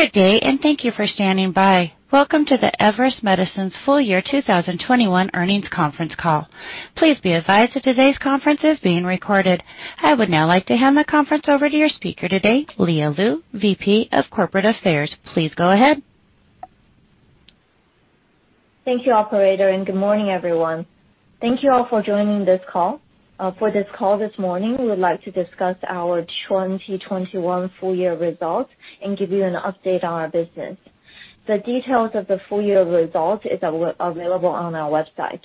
Good day, and thank you for standing by. Welcome to the Everest Medicines Full Year 2021 Earnings Conference Call. Please be advised that today's conference is being recorded. I would now like to hand the conference over to your speaker today, Leah Liu, VP of Corporate Affairs. Please go ahead. Thank you, operator, and good morning, everyone. Thank you all for joining this call. For this call this morning, we would like to discuss our 2021 full year results and give you an update on our business. The details of the full year results is available on our website.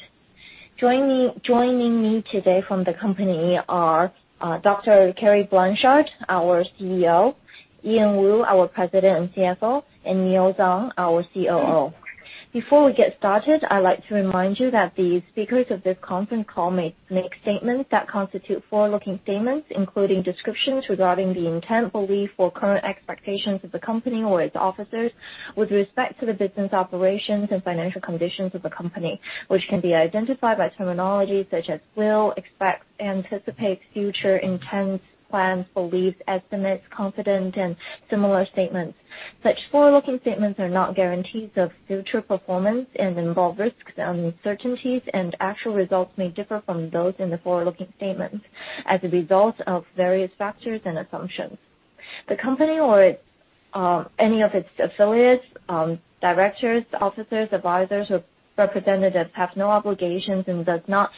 Joining me today from the company are Dr. Kerry Blanchard, our CEO; Ian Woo, our President and CFO; and Neo Zhang, our COO. Before we get started, I'd like to remind you that the speakers of this conference call may make statements that constitute forward-looking statements, including descriptions regarding the intent, belief, or current expectations of the company or its officers with respect to the business operations and financial conditions of the company, which can be identified by terminology such as will, expect, anticipate future intents, plans, beliefs, estimates, confident, and similar statements. Such forward-looking statements are not guarantees of future performance and involve risks and uncertainties, and actual results may differ from those in the forward-looking statements as a result of various factors and assumptions. The company or its any of its affiliates, directors, officers, advisors, or representatives have no obligations and does not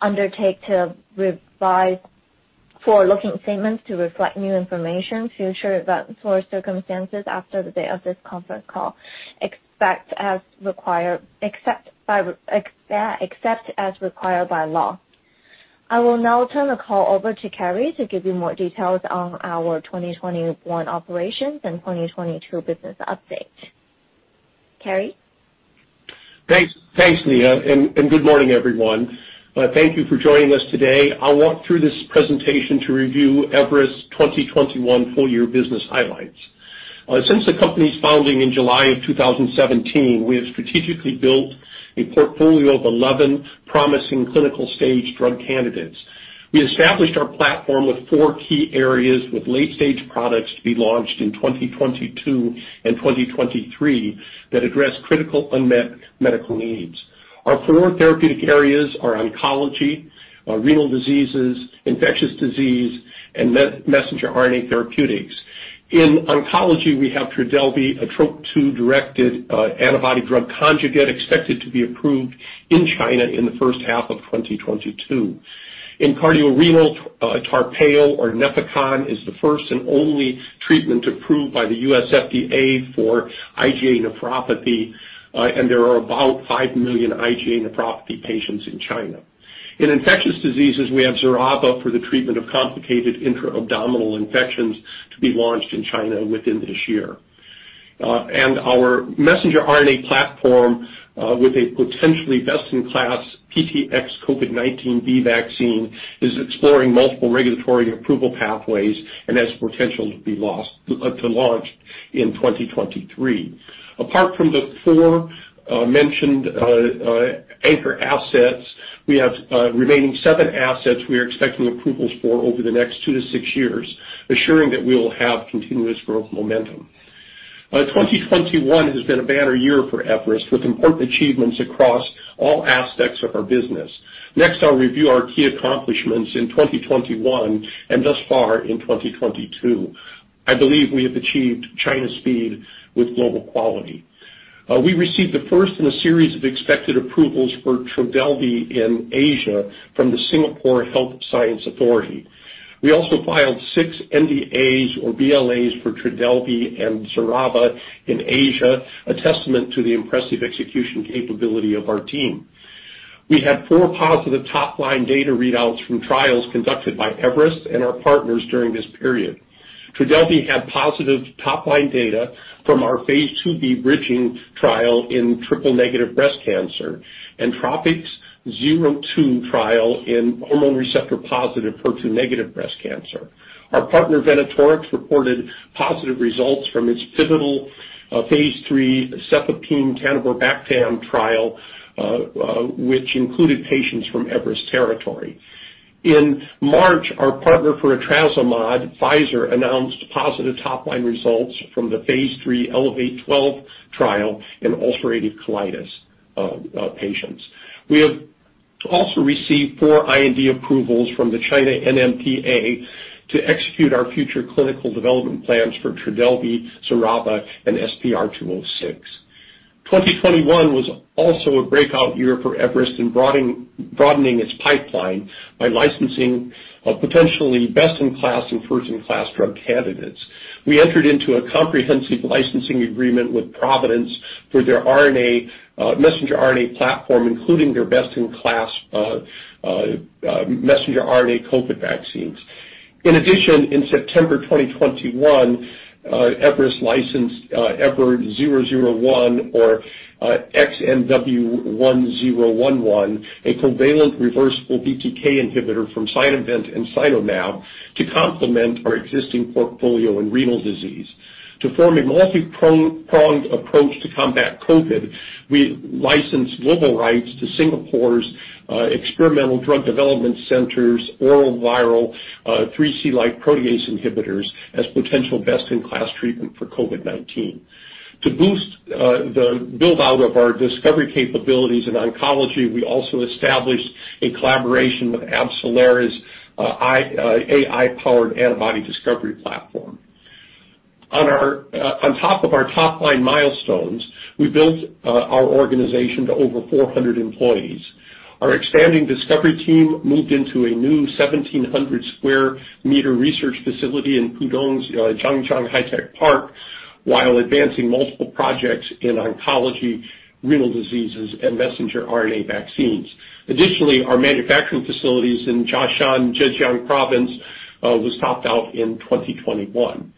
undertake to revise forward-looking statements to reflect new information, future events or circumstances after the day of this conference call, except as required by law. I will now turn the call over to Kerry to give you more details on our 2021 operations and 2022 business update. Kerry? Thanks, Leah, and good morning, everyone. Thank you for joining us today. I'll walk through this presentation to review Everest's 2021 full year business highlights. Since the company's founding in July of 2017, we have strategically built a portfolio of 11 promising clinical-stage drug candidates. We established our platform with four key areas with late-stage products to be launched in 2022 and 2023 that address critical unmet medical needs. Our four therapeutic areas are oncology, renal diseases, infectious disease, and messenger RNA therapeutics. In oncology, we have TRODELVY, a Trop-2-directed antibody-drug conjugate expected to be approved in China in the first half of 2022. In cardiorenal, TARPEYO or NEFECON is the first and only treatment approved by the U.S. FDA for IgA nephropathy, and there are about five million IgA nephropathy patients in China. In infectious diseases, we have XERAVA for the treatment of complicated intra-abdominal infections to be launched in China within this year. Our messenger RNA platform, with a potentially best-in-class PTX-COVID19-B vaccine, is exploring multiple regulatory approval pathways and has potential to launch in 2023. Apart from the four mentioned anchor assets, we have remaining seven assets we are expecting approvals for over the next two to six years, assuring that we will have continuous growth momentum. 2021 has been a banner year for Everest, with important achievements across all aspects of our business. Next, I'll review our key accomplishments in 2021 and thus far in 2022. I believe we have achieved China speed with global quality. We received the first in a series of expected approvals for TRODELVY in Asia from the Singapore Health Sciences Authority. We also filed six NDAs or BLAs for TRODELVY and XERAVA in Asia, a testament to the impressive execution capability of our team. We had four positive top-line data readouts from trials conducted by Everest and our partners during this period. TRODELVY had positive top-line data from our phase II-B bridging trial in triple negative breast cancer, and TROPiCS-02 trial in hormone receptor-positive, HER2-negative breast cancer. Our partner Venatorx reported positive results from its pivotal phase III cefepime-taniborbactam trial, which included patients from Everest territory. In March, our partner for etrasimod, Pfizer, announced positive top-line results from the phase III ELEVATE UC 12 trial in ulcerative colitis patients. We have also received four IND approvals from the China NMPA to execute our future clinical development plans for TRODELVY, XERAVA, and SPR-206. 2021 was also a breakout year for Everest in broadening its pipeline by licensing potentially best-in-class and first-in-class drug candidates. We entered into a comprehensive licensing agreement with Providence for their messenger RNA platform, including their best-in-class messenger RNA COVID vaccines. In addition, in September 2021, Everest licensed EVER001 or XNW1011, a covalent reversible BTK inhibitor from Sinovent and SinoMab to complement our existing portfolio in renal disease. To form a multi-pronged approach to combat COVID, we licensed global rights to Singapore's Experimental Drug Development Centre oral viral 3CL-like protease inhibitors as potential best-in-class treatment for COVID-19. To boost the build-out of our discovery capabilities in oncology, we also established a collaboration with AbCellera's AI-powered antibody discovery platform. On top of our top-line milestones, we built our organization to over 400 employees. Our expanding discovery team moved into a new 1,700 sq m research facility in Pudong's Zhangjiang Hi-Tech Park, while advancing multiple projects in oncology, renal diseases, and messenger RNA vaccines. Additionally, our manufacturing facilities in Jiaxing, Zhejiang Province, was topped out in 2021.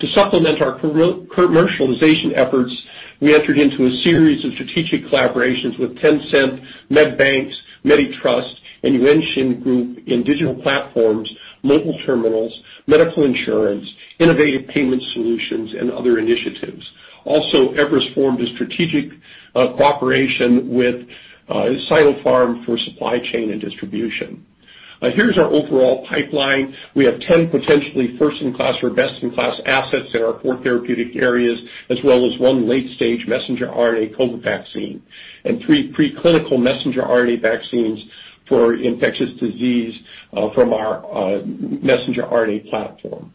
To supplement our commercialization efforts, we entered into a series of strategic collaborations with Tencent, Medbanks, MediTrust, and Yuanxin Group in digital platforms, mobile terminals, medical insurance, innovative payment solutions, and other initiatives. Also, Everest formed a strategic cooperation with Sinopharm for supply chain and distribution. Here's our overall pipeline. We have 10 potentially first-in-class or best-in-class assets in our four therapeutic areas, as well as one late-stage messenger RNA COVID vaccine, and three preclinical messenger RNA vaccines for infectious disease from our messenger RNA platform.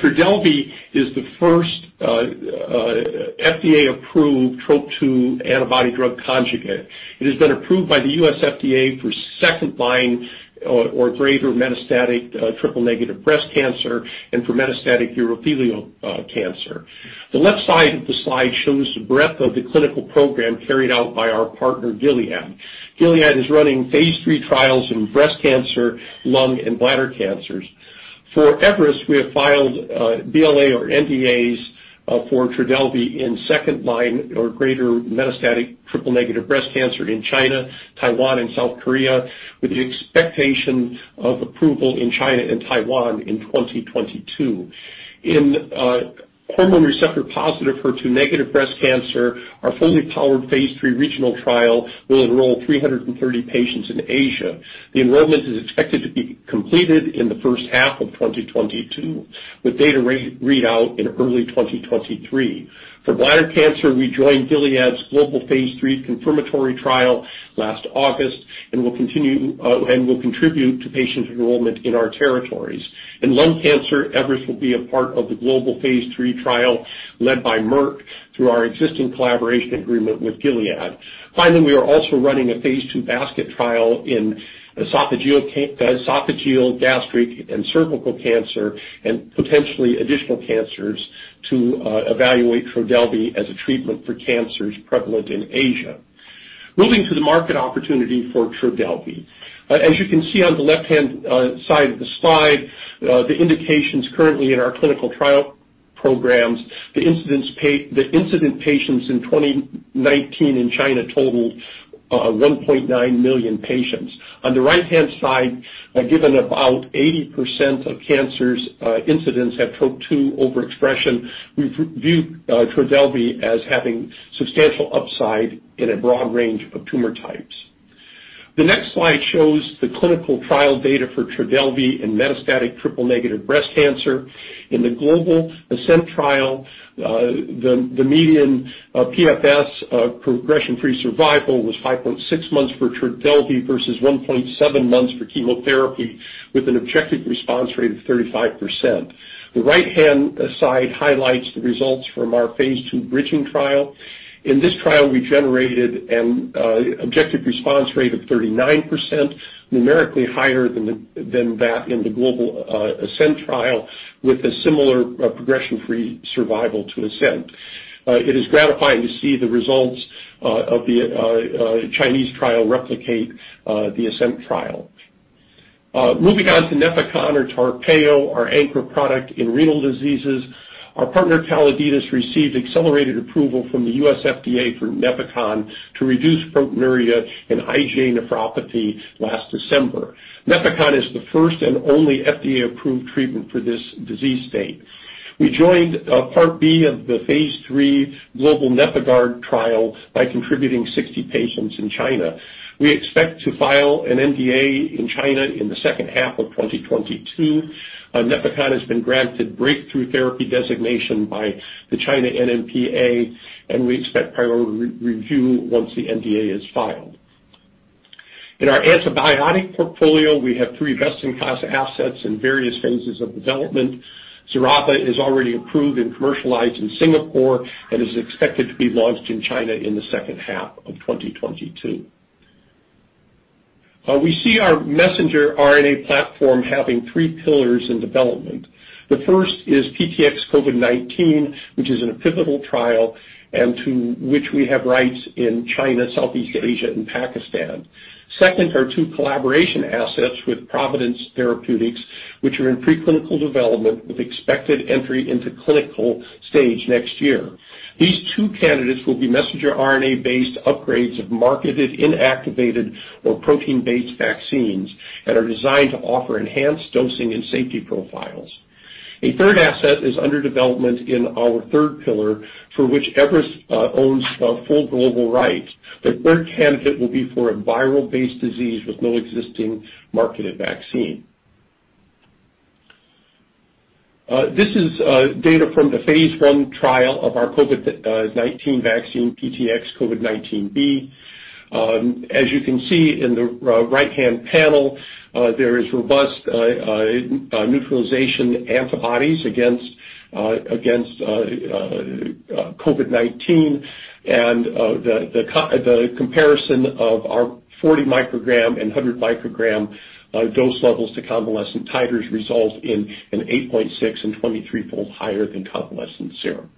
TRODELVY is the first FDA-approved Trop-2 antibody drug conjugate. It has been approved by the U.S. FDA for second-line or greater metastatic triple-negative breast cancer and for metastatic urothelial cancer. The left side of the slide shows the breadth of the clinical program carried out by our partner, Gilead. Gilead is running phase III trials in breast cancer, lung, and bladder cancers. For Everest, we have filed BLA or NDAs for TRODELVY in second-line or greater metastatic triple-negative breast cancer in China, Taiwan, and South Korea, with the expectation of approval in China and Taiwan in 2022. In hormone receptor-positive HER2-negative breast cancer, our fully powered phase III regional trial will enroll 330 patients in Asia. The enrollment is expected to be completed in the first half of 2022, with data read out in early 2023. For bladder cancer, we joined Gilead's global phase III confirmatory trial last August and will continue and will contribute to patient enrollment in our territories. In lung cancer, Everest will be a part of the global phase III trial led by Merck through our existing collaboration agreement with Gilead. Finally, we are also running a phase II basket trial in esophageal, gastric, and cervical cancer and potentially additional cancers to evaluate TRODELVY as a treatment for cancers prevalent in Asia. Moving to the market opportunity for TRODELVY. As you can see on the left-hand side of the slide, the indications currently in our clinical trial programs, the incidence patients in 2019 in China totaled 1.9 million patients. On the right-hand side, given about 80% of cancers incidence have Trop-2 overexpression, we view TRODELVY as having substantial upside in a broad range of tumor types. The next slide shows the clinical trial data for TRODELVY in metastatic triple-negative breast cancer. In the global ASCENT trial, the median PFS progression-free survival was 5.6 months for TRODELVY versus 1.7 months for chemotherapy, with an objective response rate of 35%. The right-hand side highlights the results from our phase II bridging trial. In this trial, we generated an objective response rate of 39%, numerically higher than that in the global ASCENT trial, with a similar progression-free survival to ASCENT. It is gratifying to see the results of the Chinese trial replicate the ASCENT trial. Moving on to NEFECON or TARPEYO, our anchor product in renal diseases. Our partner, Calliditas, received accelerated approval from the U.S. FDA for NEFECON to reduce proteinuria in IgA nephropathy last December. NEFECON is the first and only FDA-approved treatment for this disease state. We joined part B of the phase III global NefIgArd trial by contributing 60 patients in China. We expect to file an NDA in China in the second half of 2022. NEFECON has been granted breakthrough therapy designation by the China NMPA, and we expect priority re-review once the NDA is filed. In our antibiotic portfolio, we have three best-in-class assets in various phases of development. XERAVA is already approved and commercialized in Singapore and is expected to be launched in China in the second half of 2022. We see our messenger RNA platform having three pillars in development. The first is PTX-COVID19-B, which is in a pivotal trial and to which we have rights in China, Southeast Asia, and Pakistan. Second are two collaboration assets with Providence Therapeutics, which are in preclinical development with expected entry into clinical stage next year. These two candidates will be messenger RNA-based upgrades of marketed, inactivated, or protein-based vaccines that are designed to offer enhanced dosing and safety profiles. A third asset is under development in our third pillar, for which Everest owns full global rights. The third candidate will be for a viral-based disease with no existing marketed vaccine. This is data from the phase I trial of our COVID-19 vaccine, PTX-COVID19-B, as you can see in the right-hand panel, there is robust neutralization antibodies against COVID-19, and the comparison of our 40 microgram and 100 microgram dose levels to convalescent titers result in an 8.6 and 23 fold higher than convalescent serum.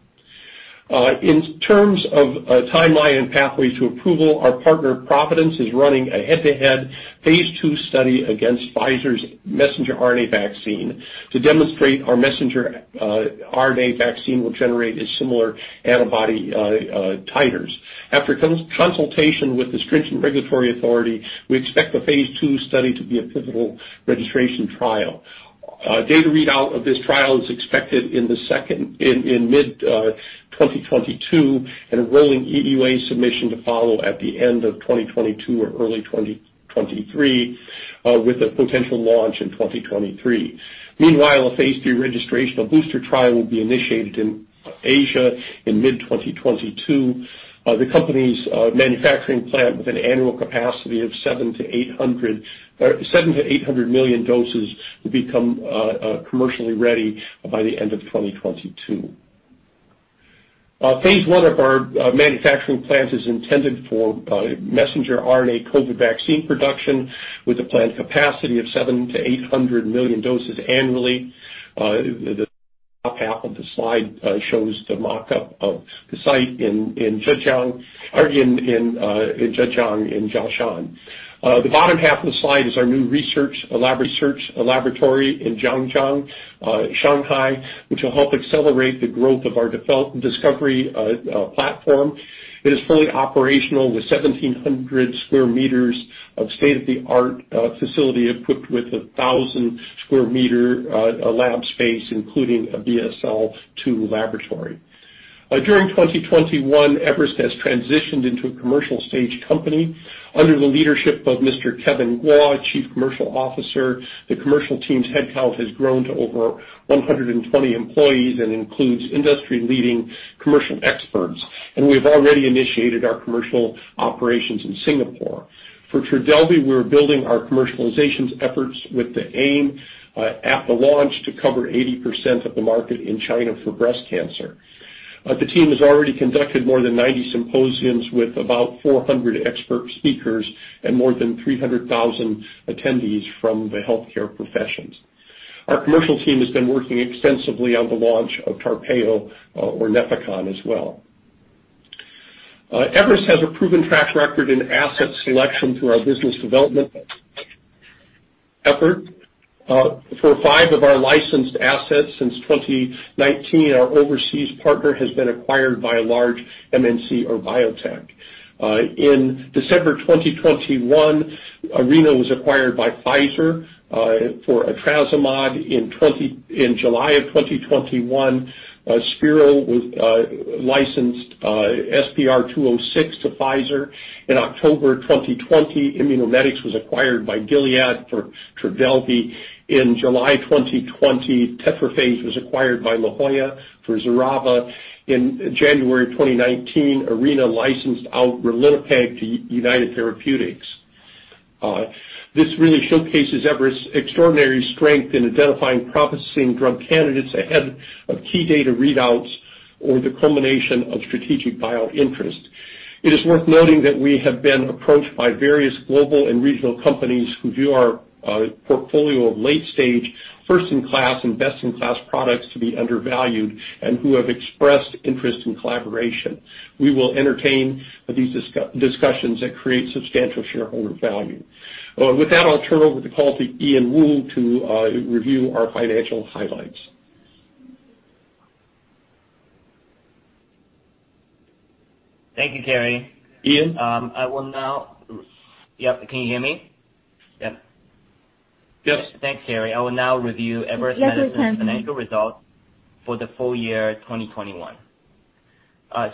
In terms of a timeline and pathway to approval, our partner Providence is running a head-to-head phase II study against Pfizer's messenger RNA vaccine to demonstrate our messenger RNA vaccine will generate a similar antibody titers. After consultation with the stringent regulatory authority, we expect the phase II study to be a pivotal registration trial. Data readout of this trial is expected in mid 2022, and a rolling EUA submission to follow at the end of 2022 or early 2023, with a potential launch in 2023. Meanwhile, a phase III registrational booster trial will be initiated in Asia in mid 2022. The company's manufacturing plant with an annual capacity of 700-800 million doses will become commercially ready by the end of 2022. Phase I of our manufacturing plant is intended for messenger RNA COVID vaccine production with a plant capacity of 700-800 million doses annually. The top half of the slide shows the mock-up of the site in Zhejiang, in Jiaxing. The bottom half of the slide is our new research laboratory in Zhangjiang, Shanghai, which will help accelerate the growth of our discovery platform. It is fully operational with 1,700 sq m of state-of-the-art facility equipped with 1,000 sq m lab space, including a BSL-2 laboratory. During 2021, Everest has transitioned into a commercial stage company under the leadership of Mr. Kevin Guo, Chief Commercial Officer. The commercial team's headcount has grown to over 120 employees and includes industry-leading commercial experts. We've already initiated our commercial operations in Singapore. For TRODELVY, we're building our commercialization efforts with the aim at the launch to cover 80% of the market in China for breast cancer. The team has already conducted more than 90 symposiums with about 400 expert speakers and more than 300,000 attendees from the healthcare professionals. Our commercial team has been working extensively on the launch of TARPEYO or NEFECON as well. Everest has a proven track record in asset selection through our business development effort. For five of our licensed assets since 2019, our overseas partner has been acquired by a large MNC or biotech. In December 2021, Arena was acquired by Pfizer for etrasimod. In July of 2021, Spero was licensed SPR206 to Pfizer. In October 2020, Immunomedics was acquired by Gilead for TRODELVY. In July 2020, Tetraphase was acquired by La Jolla for XERAVA. In January 2019, Arena licensed out ralinepag to United Therapeutics. This really showcases Everest's extraordinary strength in identifying promising drug candidates ahead of key data readouts or the culmination of strategic buyer interest. It is worth noting that we have been approached by various global and regional companies who view our portfolio of late-stage, first-in-class and best-in-class products to be undervalued and who have expressed interest in collaboration. We will entertain these discussions that create substantial shareholder value. With that, I'll turn over the call to Ian Woo to review our financial highlights. Thank you, Kerry. Ian? Yep. Can you hear me? Yep. Yes. Thanks, Kerry. I will now review Everest Medicines'- Yes, we can. Financial results for the full year 2021.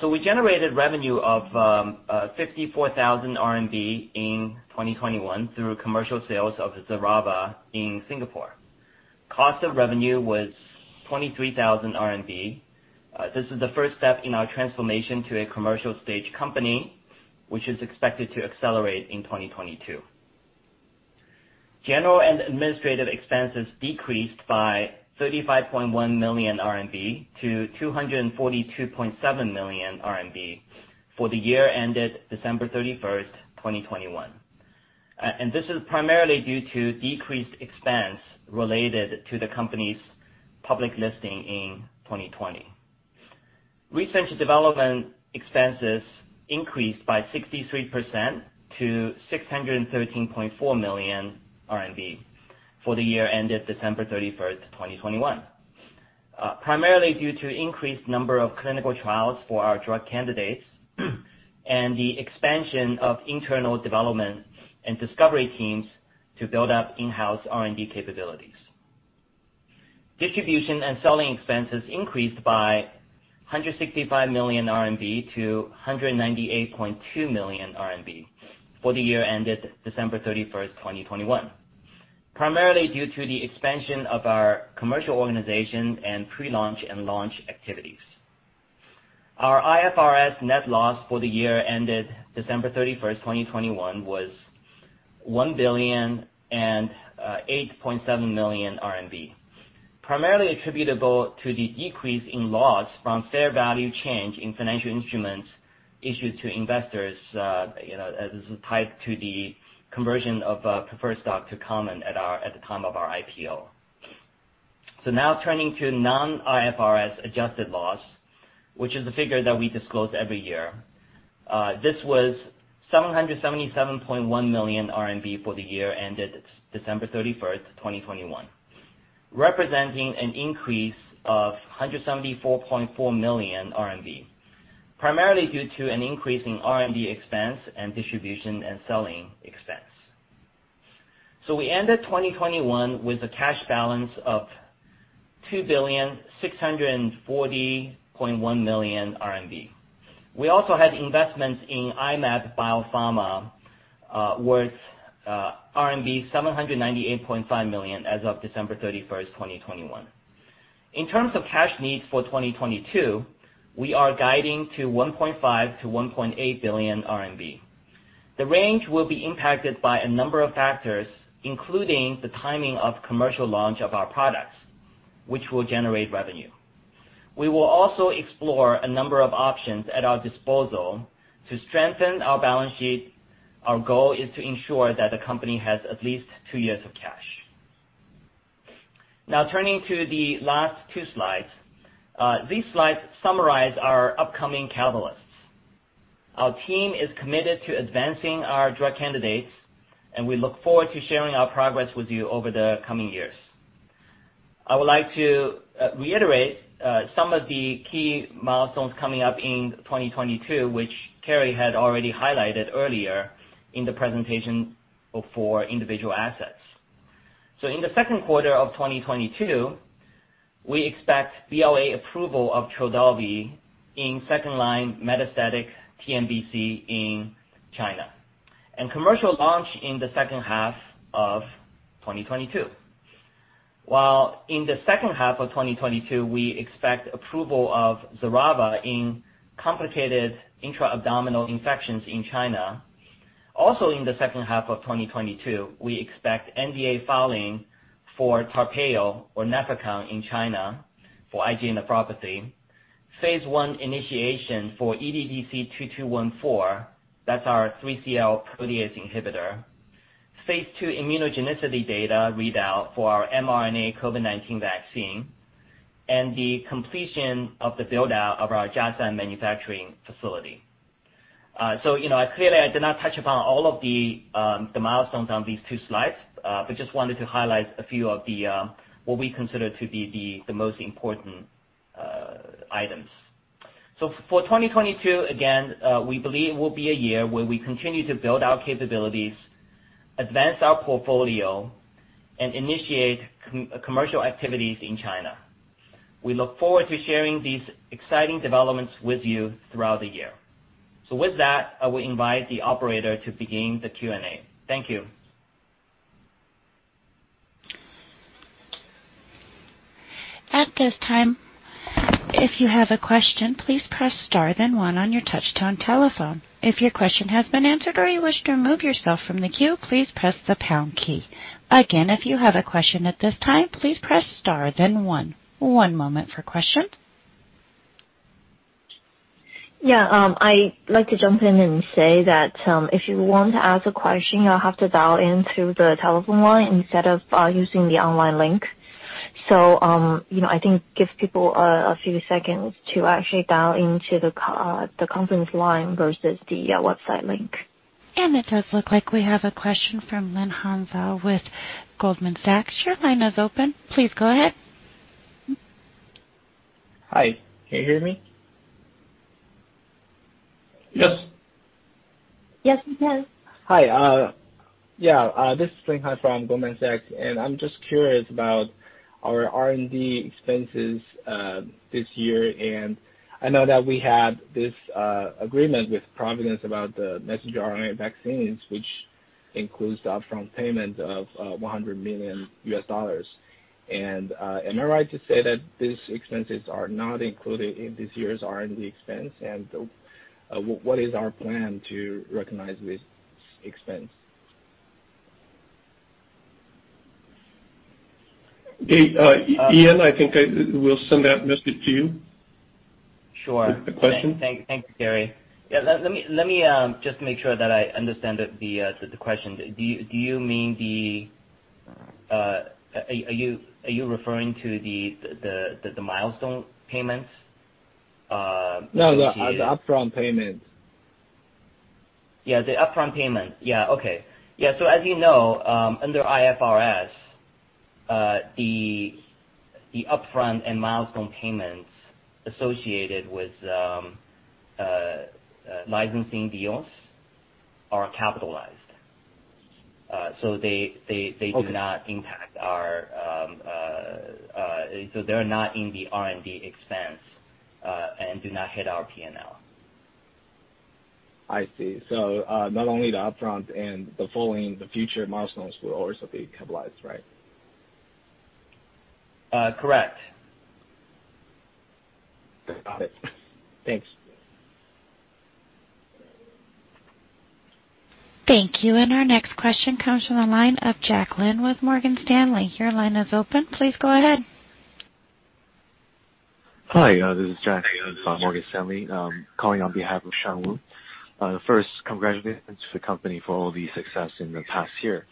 We generated revenue of 54,000 RMB in 2021 through commercial sales of XERAVA in Singapore. Cost of revenue was 23,000 RMB. This is the first step in our transformation to a commercial stage company, which is expected to accelerate in 2022. General and administrative expenses decreased by 35.1 million RMB to 242.7 million RMB for the year ended December 31st, 2021. This is primarily due to decreased expense related to the company's public listing in 2020. Research and Development expenses increased by 63% to 613.4 million RMB for the year ended December 31st, 2021, primarily due to increased number of clinical trials for our drug candidates and the expansion of internal development and discovery teams to build up in-house R&D capabilities. Distribution and Selling expenses increased by 165 million RMB to 198.2 million RMB for the year ended December 31st, 2021. Primarily due to the expansion of our commercial organization and pre-launch and launch activities. Our IFRS net loss for the year ended December 31st, 2021 was 1,008.7 million RMB. Primarily attributable to the decrease in loss from fair value change in financial instruments issued to investors, as tied to the conversion of preferred stock to common at the time of our IPO. Now turning to non-IFRS adjusted loss, which is the figure that we disclose every year. This was 777.1 million RMB for the year ended December 31st, 2021. Representing an increase of 174.4 million RMB. Primarily due to an increase in R&D expense and distribution and selling expense. We ended 2021 with a cash balance of 2,640.1 million RMB. We also had investments in I-Mab Biopharma, worth RMB 798.5 million as of December 31st, 2021. In terms of cash needs for 2022, we are guiding to 1.5 billion-1.8 billion RMB. The range will be impacted by a number of factors, including the timing of commercial launch of our products, which will generate revenue. We will also explore a number of options at our disposal to strengthen our balance sheet. Our goal is to ensure that the company has at least two years of cash. Now turning to the last two slides. These slides summarize our upcoming catalysts. Our team is committed to advancing our drug candidates, and we look forward to sharing our progress with you over the coming years. I would like to reiterate some of the key milestones coming up in 2022, which Kerry had already highlighted earlier in the presentation for individual assets. In the second quarter of 2022, we expect BLA approval of TRODELVY in second-line metastatic TNBC in China, and commercial launch in the second half of 2022. While in the second half of 2022, we expect approval of XERAVA in complicated intra-abdominal infections in China. Also, in the second half of 2022, we expect NDA filing for TARPEYO or NEFECON in China for IgA nephropathy. Phase I initiation for EDDC-2214, that's our 3CL protease inhibitor. Phase II immunogenicity data readout for our mRNA COVID-19 vaccine, and the completion of the build-out of our Jiashan manufacturing facility. You know, clearly I did not touch upon all of the milestones on these two slides, but just wanted to highlight a few of the what we consider to be the most important items. For 2022, again, we believe will be a year where we continue to build our capabilities, advance our portfolio, and initiate commercial activities in China. We look forward to sharing these exciting developments with you throughout the year. With that, I will invite the operator to begin the Q&A. Thank you. At this time, if you have a question, please press star then one on your touchtone telephone. If your question has been answered or you wish to remove yourself from the queue, please press the pound key. Again, if you have a question at this time, please press star then one. One moment for questions. Yeah, I'd like to jump in and say that, if you want to ask a question, you'll have to dial in through the telephone line instead of using the online link. You know, I think gives people a few seconds to actually dial into the conference line versus the website link. It does look like we have a question from Linh Hansel with Goldman Sachs. Your line is open. Please go ahead. Hi. Can you hear me? Yes. Yes, we can. Hi, this is Linh Hansel from Goldman Sachs, and I'm just curious about our R&D expenses this year. I know that we had this agreement with Providence about the messenger RNA vaccines, which includes the upfront payment of $100 million. Am I right to say that these expenses are not included in this year's R&D expense? What is our plan to recognize this expense? Hey, Ian, I think we'll send that message to you. Sure. The question. Thank you, Kerry. Yeah, let me just make sure that I understand the question. Do you mean? Are you referring to the milestone payments? No, the upfront payment. Yeah, the upfront payment. Yeah, okay. Yeah, as you know, under IFRS, the upfront and milestone payments associated with licensing deals are capitalized. They do not impact our... Okay. They're not in the R&D expense, and do not hit our P&L. I see. Not only the upfront and the following, the future milestones will also be capitalized, right? Correct. Got it. Thanks. Thank you. Our next question comes from the line of Jack Lin with Morgan Stanley. Your line is open. Please go ahead. Hi, this is Jack Lin from Morgan Stanley, calling on behalf of Shan Wu. First, congratulations to the company for all the success in the past year.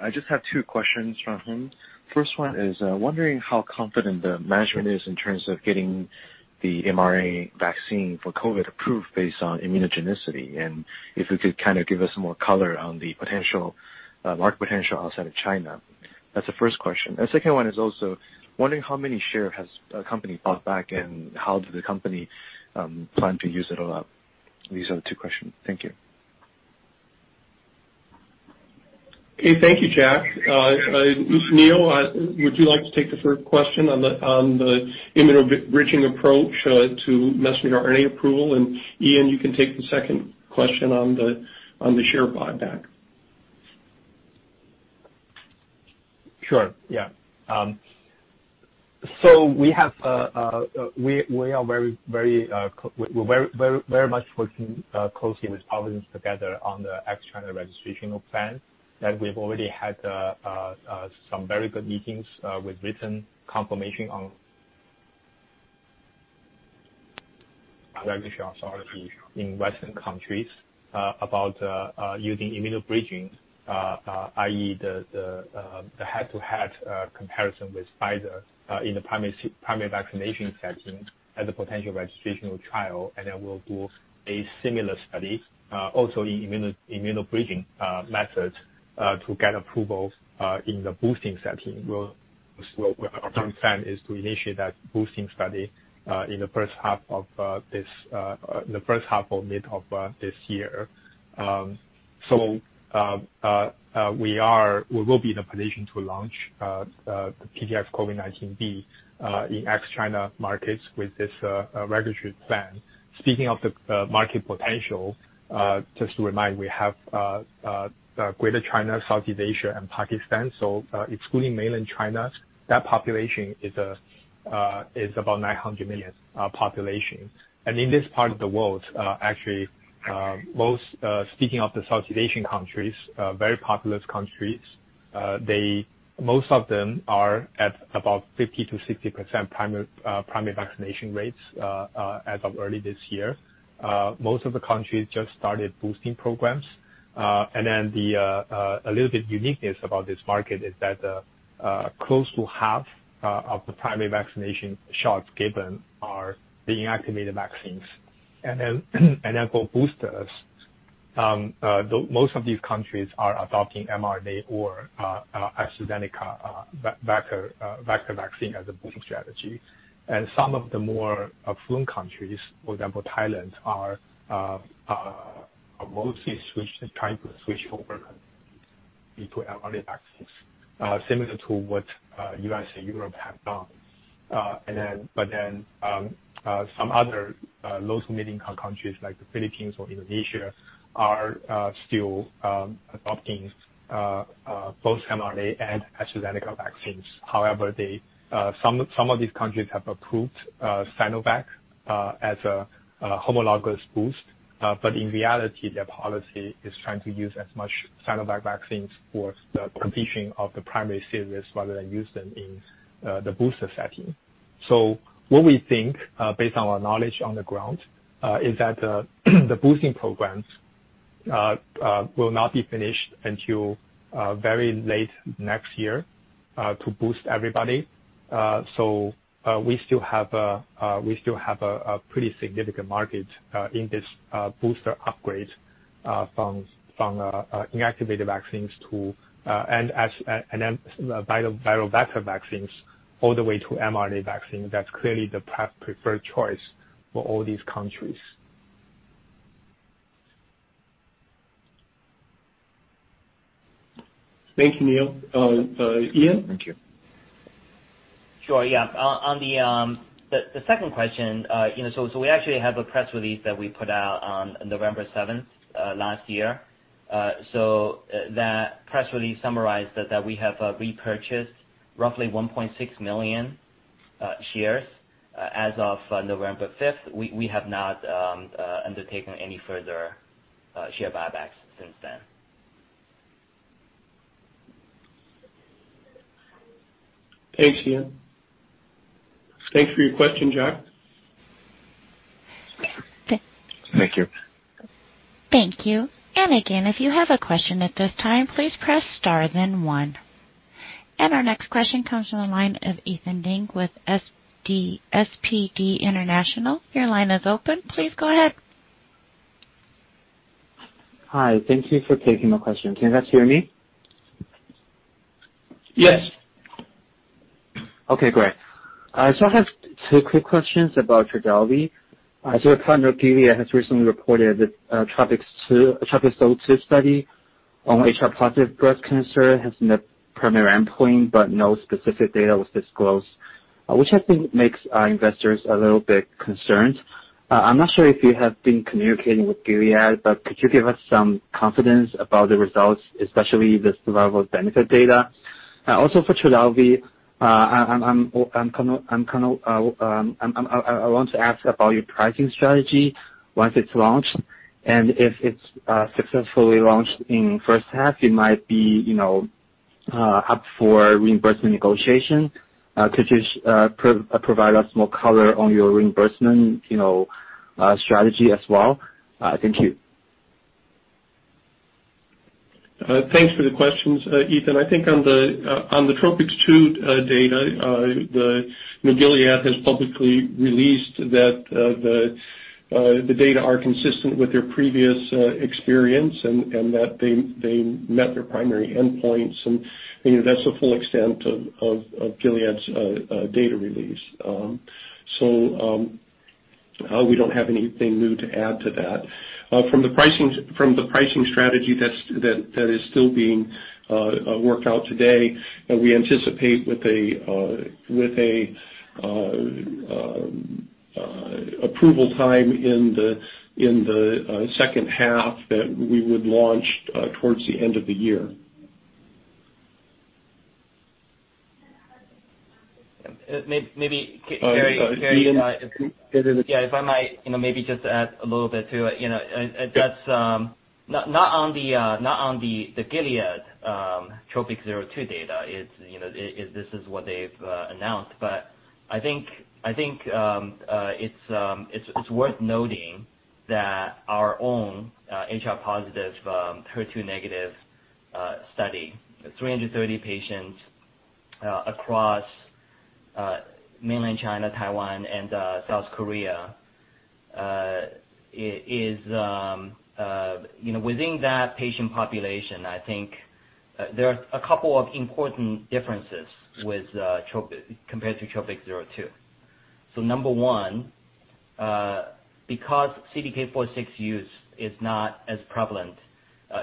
I just have two questions from him. First one is, wondering how confident the management is in terms of getting the mRNA vaccine for COVID approved based on immunogenicity, and if you could kind of give us more color on the potential, market potential outside of China. That's the first question. Second one is also, wondering how many share has company bought back and how do the company plan to use it all up. These are the two questions. Thank you. Okay, thank you, Jack. Neo, would you like to take the first question on the immuno-bridging approach to messenger RNA approval? Ian, you can take the second question on the share buyback. Sure, yeah. So we are very much working closely with Providence together on the ex-China registration plans that we've already had some very good meetings with written confirmation on registration authority in Western countries about using immuno-bridging, i.e., the head-to-head comparison with Pfizer in the primary vaccination setting as a potential registrational trial. We'll do a similar study also in immuno-bridging method to get approvals in the boosting setting. Our current plan is to initiate that boosting study in the first half or mid of this year. We will be in a position to launch the PTX-COVID19-B in ex-China markets with this regulatory plan. Speaking of the market potential, just to remind, we have Greater China, South Asia and Pakistan. Excluding mainland China, that population is about 900 million population. In this part of the world, actually, most speaking of the South Asian countries, very populous countries, they most of them are at about 50%-60% primary vaccination rates as of early this year. Most of the countries just started boosting programs. A little bit uniqueness about this market is that close to half of the primary vaccination shots given are the inactivated vaccines. For boosters, most of these countries are adopting mRNA or AstraZeneca vector vaccine as a boosting strategy. Some of the more affluent countries, for example, Thailand, are trying to switch over into mRNA vaccines similar to what the U.S. and Europe have done. Some other low- to middle-income countries like the Philippines or Indonesia are still adopting both mRNA and AstraZeneca vaccines. However, some of these countries have approved Sinovac as a homologous boost. In reality, their policy is trying to use as much Sinovac vaccines for the completion of the primary series rather than use them in the booster setting. What we think, based on our knowledge on the ground, is that the boosting programs will not be finished until very late next year to boost everybody. We still have a pretty significant market in this booster upgrade from inactivated vaccines to viral vector vaccines all the way to mRNA vaccine. That's clearly the preferred choice for all these countries. Thank you, Neo. Ian? Thank you. Sure. Yeah. On the second question, you know, we actually have a press release that we put out on November 7th last year. That press release summarized that we have repurchased roughly 1.6 million shares. As of November 5th, we have not undertaken any further share buybacks since then. Thanks, Ian. Thanks for your question, Jack. Thank you. Thank you. And again, if you have a question at this time, please press star then one. And our next question comes from the line of Ethan Ding with SPDB International. Your line is open. Please go ahead. Hi. Thank you for taking my question. Can you guys hear me? Yes. Okay, great. I have two quick questions about TRODELVY. Your partner, Gilead, has recently reported that TROPiCS-02 study on HR-positive breast cancer has met primary endpoint, but no specific data was disclosed, which I think makes our investors a little bit concerned. I'm not sure if you have been communicating with Gilead, but could you give us some confidence about the results, especially the survival benefit data? Also for TRODELVY, I'm kind of I want to ask about your pricing strategy once it's launched, and if it's successfully launched in first half, it might be, you know, up for reimbursement negotiation. Could you provide us more color on your reimbursement, you know, strategy as well? Thank you. Thanks for the questions, Ethan. I think on the TROPiCS-02 data, I mean, Gilead has publicly released that the data are consistent with their previous experience and that they met their primary endpoints. You know, that's the full extent of Gilead's data release. We don't have anything new to add to that. From the pricing strategy that's still being worked out today, we anticipate with an approval time in the second half that we would launch towards the end of the year. Maybe, Kerry. Ian. Yeah, if I might, you know, maybe just add a little bit to it. You know, that's not on the Gilead TROPiCS-02 data. It's, you know, this is what they've announced. I think it's worth noting that our own HR-positive HER2-negative study, 330 patients, across mainland China, Taiwan and South Korea, is, you know, within that patient population. I think there are a couple of important differences compared to TROPiCS-02. Number one, because CDK4/6 use is not as prevalent,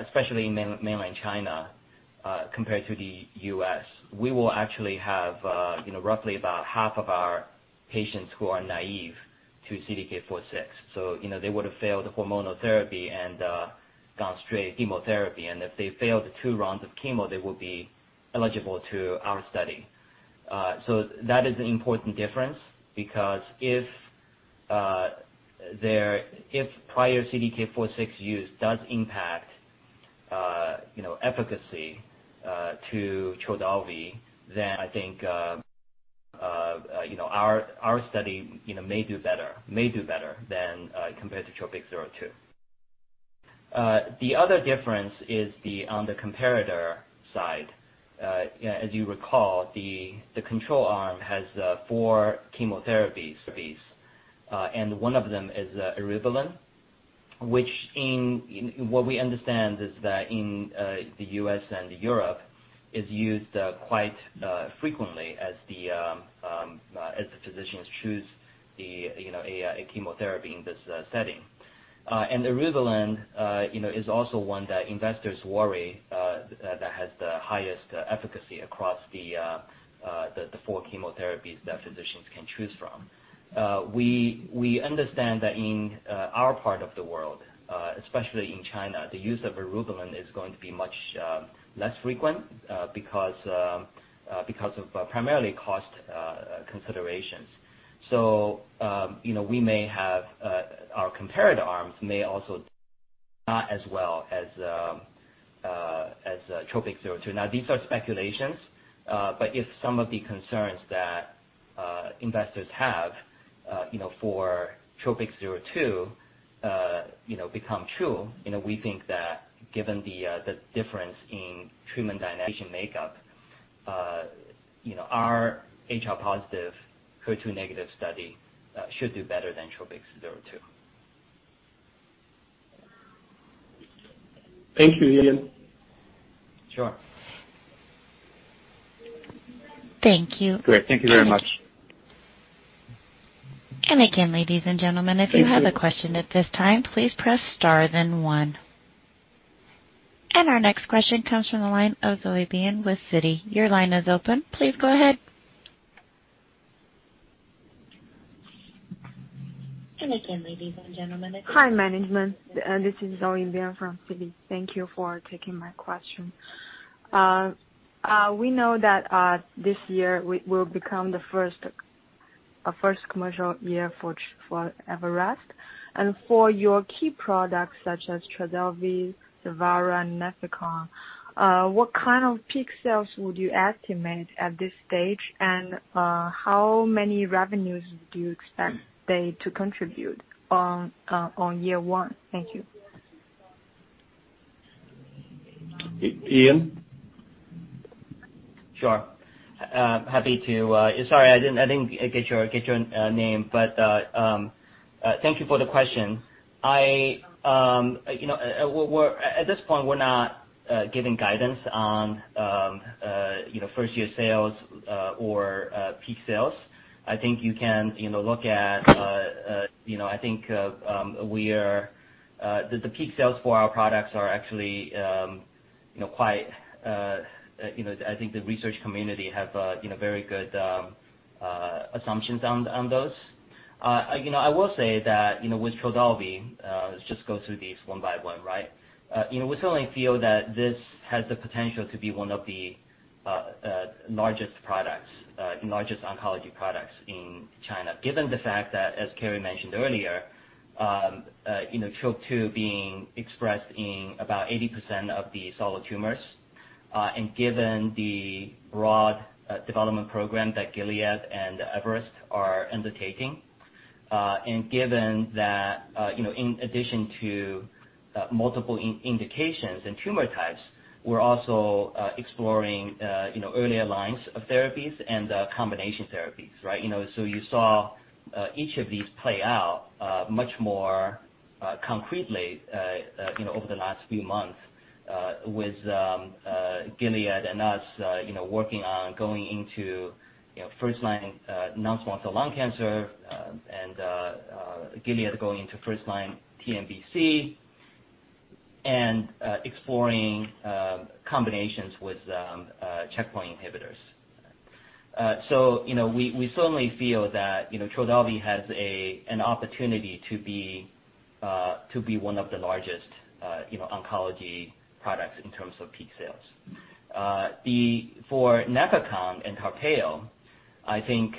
especially in mainland China, compared to the U.S., we will actually have, you know, roughly about half of our patients who are naive to CDK4/6. You know, they would have failed hormonal therapy and gone straight chemotherapy, and if they failed two rounds of chemo, they would be eligible to our study. That is an important difference because if prior CDK4/6 use does impact you know, efficacy to TRODELVY, then I think you know, our study you know, may do better than compared to TROPiCS-02. The other difference is on the comparator side. As you recall, the control arm has four chemotherapies and one of them is eribulin, which in what we understand is that in the U.S. and Europe is used quite frequently as the physicians choose a chemotherapy in this setting. Eribulin, you know, is also one that investors worry that has the highest efficacy across the four chemotherapies that physicians can choose from. We understand that in our part of the world, especially in China, the use of eribulin is going to be much less frequent because of primarily cost considerations. You know, we may have our comparator arms may also do not as well as TROPiCS-02. These are speculations, but if some of the concerns that investors have, you know, for TROPiCS-02, you know, become true, you know, we think that given the difference in treatment and patient makeup, you know, our HR-positive, HER2-negative study should do better than TROPiCS-02. Thank you, Ian. Sure. Thank you. Great. Thank you very much. Again, ladies and gentlemen. Thank you. If you have a question at this time, please press star then one. Our next question comes from the line of Zoe Bian with Citi. Your line is open. Please go ahead. Again, ladies and gentlemen. Hi, management. This is Zoe Bian from Citi. Thank you for taking my question. We know that this year we will become the first commercial year for Everest and for your key products such as TRODELVY, XERAVA, and NEFECON. What kind of peak sales would you estimate at this stage? And how much revenue do you expect them to contribute in year one? Thank you. I-Ian? Sure. Happy to. Sorry, I didn't get your name, but thank you for the question. You know, at this point, we're not giving guidance on, you know, first year sales or peak sales. I think you can, you know, look at, you know, I think the peak sales for our products are actually, you know, quite, you know, I think the research community have a, you know, very good assumptions on those. You know, I will say that, you know, with TRODELVY, let's just go through these one by one, right? You know, we certainly feel that this has the potential to be one of the largest oncology products in China, given the fact that, as Kerry mentioned earlier, you know, Trop-2 being expressed in about 80% of the solid tumors, and given the broad development program that Gilead and Everest are undertaking. Given that, you know, in addition to multiple indications and tumor types, we're also exploring, you know, earlier lines of therapies and combination therapies, right? You know, you saw each of these play out much more concretely, you know, over the last few months, with Gilead and us, you know, working on going into first line non-small cell lung cancer, and Gilead going into first-line TNBC, and exploring combinations with checkpoint inhibitors. You know, we certainly feel that TRODELVY has an opportunity to be one of the largest oncology products in terms of peak sales. For NEFECON and TARPEYO, I think,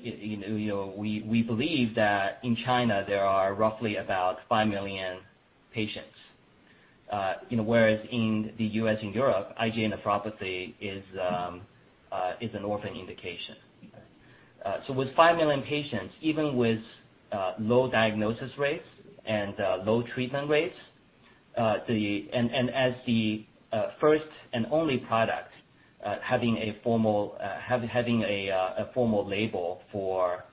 you know, we believe that in China there are roughly about five million patients. You know, whereas in the U.S. and Europe, IgA nephropathy is an orphan indication. With five million patients, even with low diagnosis rates and low treatment rates, as the first and only product having a formal label for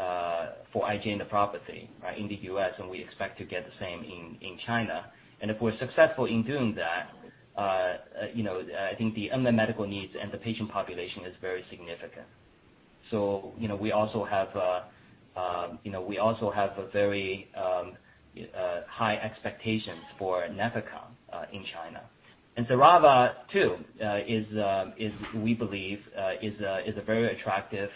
IgA nephropathy, right? In the U.S., and we expect to get the same in China. If we're successful in doing that, you know, I think the unmet medical needs and the patient population is very significant. You know, we also have very high expectations for NEFECON in China. XERAVA, too, is, we believe, a very attractive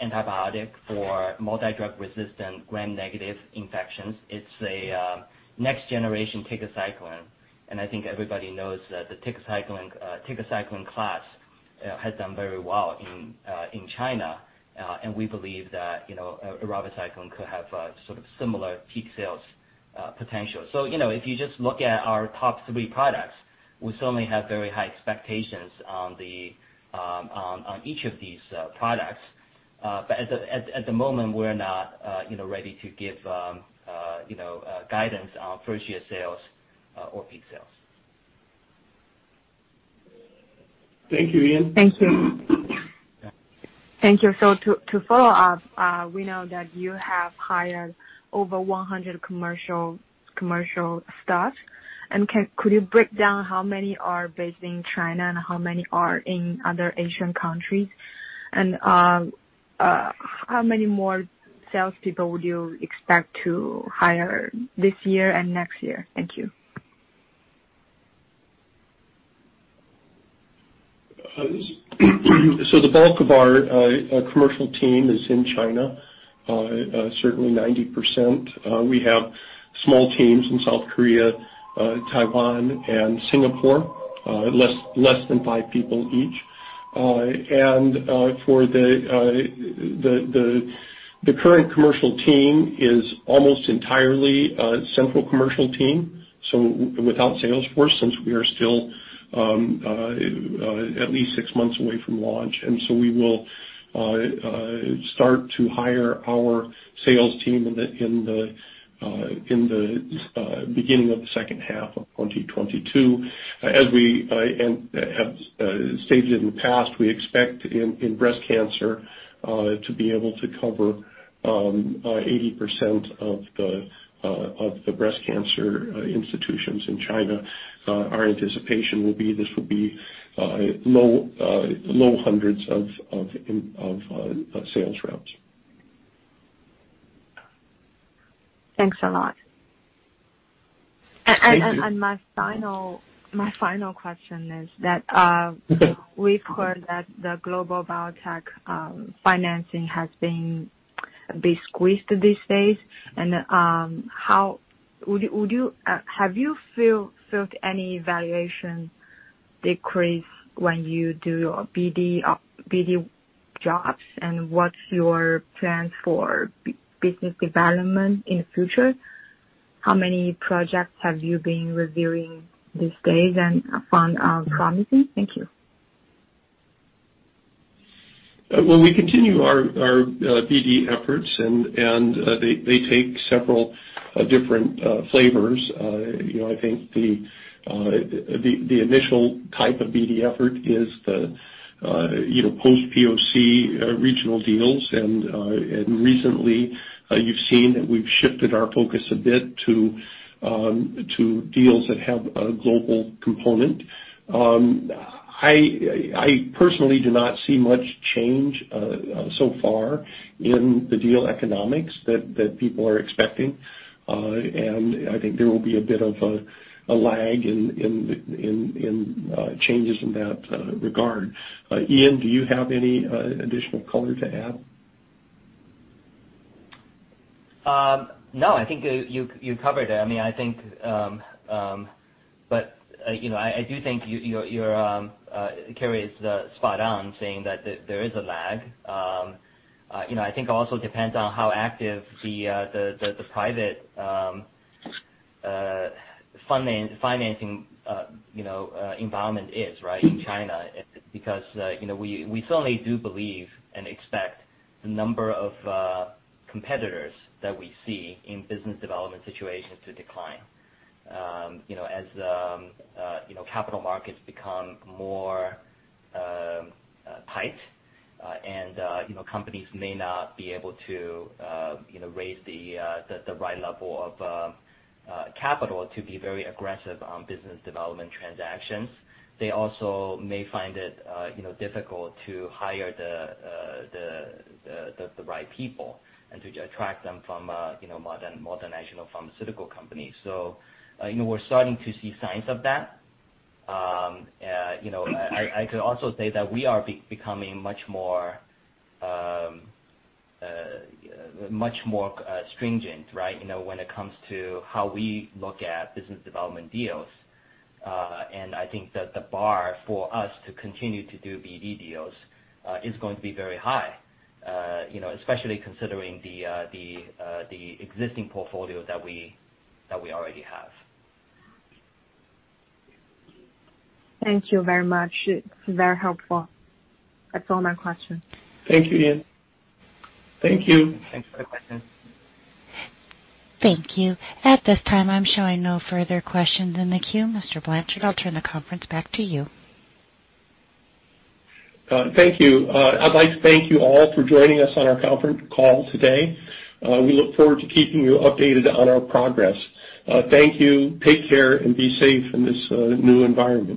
antibiotic for multidrug-resistant Gram-negative infections. It's a next generation tigecycline, and I think everybody knows that the tigecycline class has done very well in China. We believe that, you know, eravacycline could have a sort of similar peak sales potential. You know, if you just look at our top three products, we certainly have very high expectations on each of these products. At the moment, we're not, you know, ready to give guidance on first year sales or peak sales. Thank you, Ian. Thank you. To follow up, we know that you have hired over 100 commercial staff. Could you break down how many are based in China, and how many are in other Asian countries? How many more salespeople would you expect to hire this year and next year? Thank you. The bulk of our commercial team is in China, certainly 90%. We have small teams in South Korea, Taiwan and Singapore, less than five people each. For the current commercial team is almost entirely a central commercial team, so without sales force, since we are still at least six months away from launch. We will start to hire our sales team in the beginning of the second half of 2022. As we have stated in the past, we expect in breast cancer to be able to cover 80% of the breast cancer institutions in China. Our anticipation will be, this will be low hundreds of sales reps. Thanks a lot. Thank you. My final question is that we've heard that the global biotech financing has been a bit squeezed these days. Have you felt any valuation decrease when you do your BD jobs, and what's your plan for business development in the future? How many projects have you been reviewing these days and found promising? Thank you. Well, we continue our BD efforts and they take several different flavors. You know, I think the initial type of BD effort is the, you know, post POC regional deals and recently you've seen that we've shifted our focus a bit to deals that have a global component. I personally do not see much change so far in the deal economics that people are expecting. And I think there will be a bit of a lag in changes in that regard. Ian, do you have any additional color to add? No, I think you covered it. I mean, I think, but you know, I do think you're spot on saying that there is a lag. You know, I think it also depends on how active the private financing environment is, right, in China. Because you know, we certainly do believe and expect the number of competitors that we see in business development situations to decline. You know, as the capital markets become more tight, and you know, companies may not be able to raise the right level of capital to be very aggressive on business development transactions. They also may find it, you know, difficult to hire the right people and to attract them from, you know, multinational pharmaceutical companies. You know, we're starting to see signs of that. You know, I could also say that we are becoming much more stringent, right, you know, when it comes to how we look at business development deals. I think that the bar for us to continue to do BD deals is going to be very high, you know, especially considering the existing portfolio that we already have. Thank you very much. It's very helpful. That's all my questions. Thank you, Ian. Thank you. Thanks for the question. Thank you. At this time, I'm showing no further questions in the queue. Mr. Blanchard, I'll turn the conference back to you. Thank you. I'd like to thank you all for joining us on our conference call today. We look forward to keeping you updated on our progress. Thank you. Take care, and be safe in this new environment.